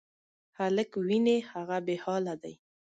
هلک وینې، هغه بېحاله دی.